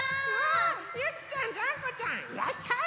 ゆきちゃんジャンコちゃんいらっしゃい！